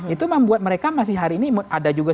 itu membuat mereka masih hari ini ada juga